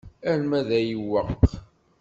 Alma d ayweq?